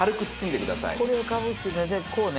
これをかぶせてこうね。